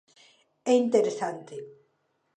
É interesante.